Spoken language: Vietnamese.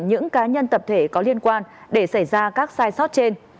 những cá nhân tập thể có liên quan để xảy ra các sai sót trên